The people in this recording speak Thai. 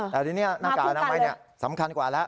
แต่ทีนี้หน้ากากอนามัยสำคัญกว่าแล้ว